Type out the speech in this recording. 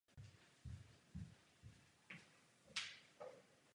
Ve vesnici se nachází vodní nádrž a restaurace.